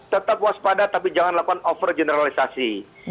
tetap waspada tapi jangan lakukan overgeneralisasi